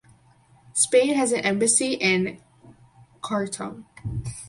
Spain has an embassy in Khartoum.